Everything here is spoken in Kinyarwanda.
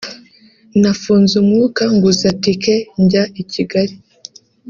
nafunze umwuka nguza ticket njya I Kigali